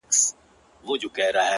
سم د قصاب د قصابۍ غوندي،